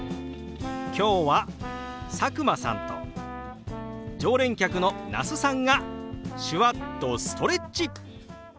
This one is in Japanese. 今日は佐久間さんと常連客の那須さんが手話っとストレッチ！